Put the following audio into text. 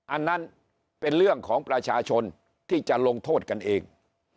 อันนั้นเป็นเรื่องของประชาชนที่จะลงโทษกันเอง